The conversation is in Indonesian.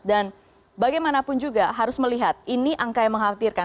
dan bagaimanapun juga harus melihat ini angka yang mengkhawatirkan